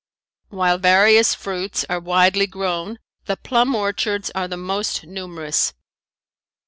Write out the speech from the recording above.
While various fruits are widely grown the plum orchards are the most numerous.